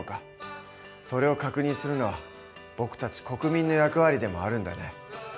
それを確認するのは僕たち国民の役割でもあるんだね。